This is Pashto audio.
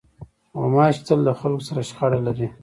غوماشې تل له خلکو سره شخړه لري.